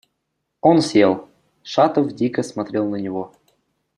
Он сел. Шатов дико смотрел на него.